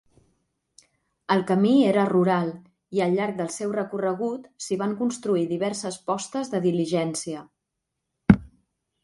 El camí era rural i al llarg del seu recorregut s'hi van construir diverses postes de diligència.